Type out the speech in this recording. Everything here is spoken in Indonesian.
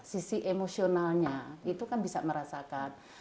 sisi emosionalnya itu kan bisa merasakan